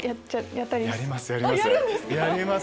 やりますやります。